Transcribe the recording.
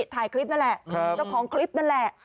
ถ่ายคลิปนั่นแหละเจ้าของคลิปนั่นแหละ